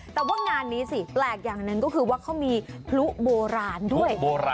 แต่ว่างานนี้สิแปลกอย่างหนึ่งก็คือว่าเขามีพลุโบราณด้วย